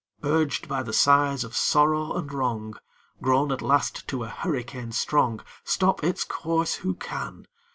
Urged by the sighs of sorrow and wrong, Grown at last to a hurricane strong, Stop its course who can!